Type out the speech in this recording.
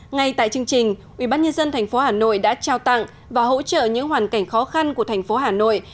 ngay tại chương trình ubnd tp hà nội đã trao tặng và hỗ trợ những hoàn cảnh khó khăn của thành phố hà nội